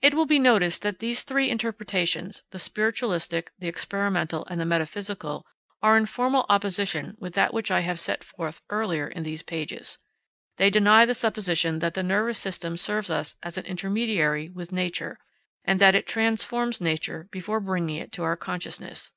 It will be noticed that these three interpretations, the spiritualistic, the experimental, and the metaphysical, are in formal opposition with that which I have set forth earlier in these pages. They deny the supposition that the nervous system serves us as an intermediary with nature, and that it transforms nature before bringing it to our consciousness.